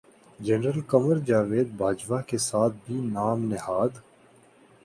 general Qamar Javed Bajwa کے ساتھ بھی نام نہاد